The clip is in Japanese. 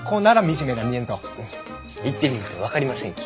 フッ行ってみんと分かりませんき。